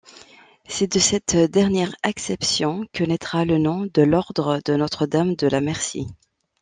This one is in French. C'est de cette dernière acception que naîtra le nom de l'Ordre de Notre-Dame-de-la-Merci.